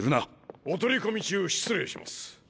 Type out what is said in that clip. ・お取り込み中失礼します